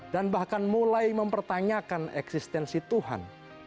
dan bahkan mulai mempertanyakan eksistensi tuhan